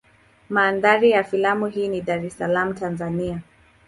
Mandhari ya filamu hii ni Dar es Salaam Tanzania.